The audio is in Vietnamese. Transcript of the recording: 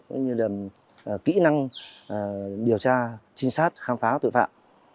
cũng như là kỹ năng điều tra trinh sát khám phá tội phạm